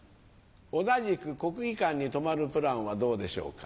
同じく国技館に泊まるプランはどうでしょうか？